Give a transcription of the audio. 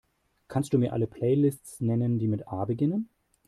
Kannst Du mir alle Playlists nennen, die mit A beginnen?